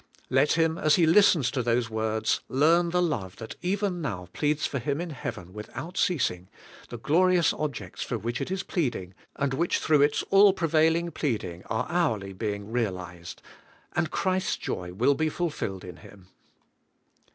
Let him, as he listens to those words, learn the love that even now pleads for him in heaven without ceasing, the glorious objects for which it is pleading, and which through its all prevailing pleading are hourly being realized, and Christ's joy will be ful filled in him.